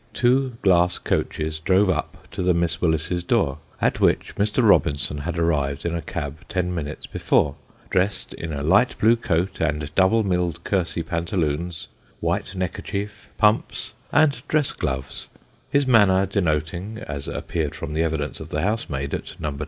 two glass coaches drove up to the Miss Willises' door, at which Mr. Robinson had arrived in a cab ten minutes before, dressed in a light blue coat and double milled kersey pantaloons, white neckerchief, pumps, and dress gloves, his manner denoting, as appeared from the evidence of the housemaid at No.